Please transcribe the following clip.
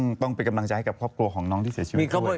ก็ต้องเป็นกำลังจะให้กับเลือกพ่อของน้องที่เสียชีวิตด้วย